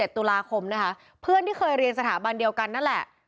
ตุลาคมนะคะเพื่อนที่เคยเรียนสถาบันเดียวกันนั่นแหละ